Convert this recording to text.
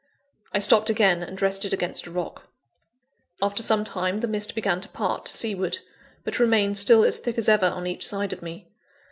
I stopped again, and rested against a rock. After some time, the mist began to part to seaward, but remained still as thick as ever on each side of me.